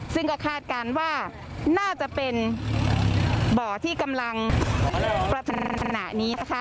ซึ่งก็คาดการณ์ว่าน่าจะเป็นบ่อที่กำลังประทะขณะนี้นะคะ